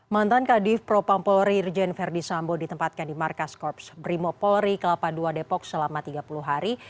mantan kadif propang polri irjen verdi sambo ditempatkan di markas korps brimo polri ke delapan puluh dua depok selama tiga puluh hari